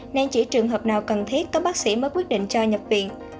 nên chỉ trường hợp nào cần thiết các bác sĩ mới quyết định cho nhập viện